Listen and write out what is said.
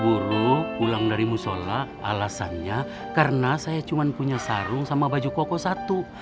guru pulang dari musola alasannya karena saya cuma punya sarung sama baju koko satu